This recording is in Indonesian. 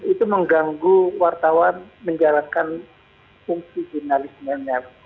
itu mengganggu wartawan menjalankan fungsi jurnalismenya